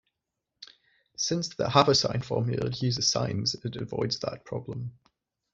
Since the haversine formula uses sines it avoids that problem.